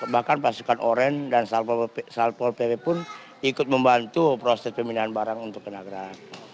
bahkan pasukan oren dan salpol pp pun ikut membantu proses pembinaan barang untuk renagrak